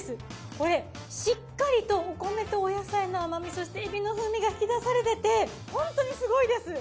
これしっかりとお米とお野菜の甘みそしてエビの風味が引き出されててホントにすごいです。